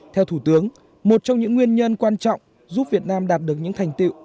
theo thủ tướng một trong những nguyên nhân quan trọng giúp việt nam đạt được những thành tiệu